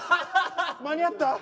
間に合った？